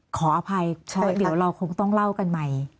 ขออภัยเพราะเดี๋ยวเราคงต้องเล่ากันใหม่